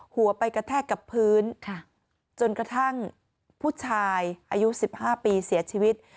หัวไปกระแทกกับพื้นจนกระทั่งผู้ชายอายุ๑๕ปีเสียชีวิต